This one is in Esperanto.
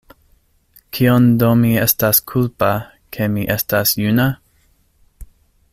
Kion do mi estas kulpa, ke mi estas juna?